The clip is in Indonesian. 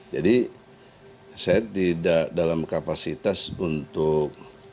jadi saya tidak dalam kapasitas untuk